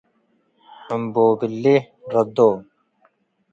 ሕምቦብሌ' ረዶ ።